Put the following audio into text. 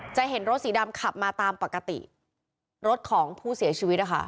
จะเห็นรถสีดำขับมาตามปกติรถของผู้เสียชีวิตนะคะ